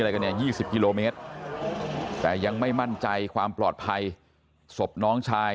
กันเนี่ย๒๐กิโลเมตรแต่ยังไม่มั่นใจความปลอดภัยศพน้องชาย